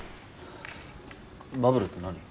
バブルって何？